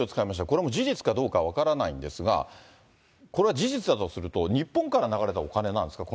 これもう事実かどうか分からないんですが、これは事実だとすると、日本から流れたお金なんですか？